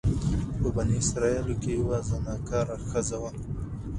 په بني اسرائيلو کي يوه زناکاره ښځه وه،